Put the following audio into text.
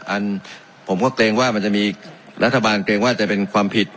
ผมก็เกรงว่ามันจะมีรัฐบาลเกรงว่าจะเป็นความผิด